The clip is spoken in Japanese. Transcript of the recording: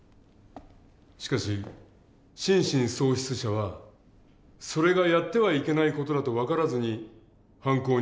しかし心神喪失者はそれがやってはいけない事だと分からずに犯行に及んでいます。